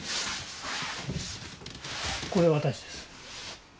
これ私です。